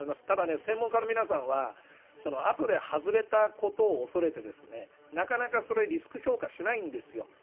ただ、専門家の皆さんは後で外れたことを恐れてなかなかリスク評価しないんです。